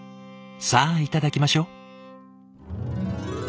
さあいただきましょう！